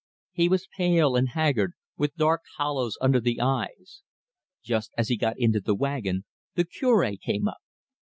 He was pale and haggard, with dark hollows under the eyes. Just as he got into the wagon the Cure came up.